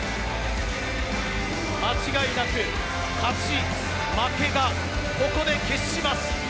間違いなく勝ち、負けがここで決します。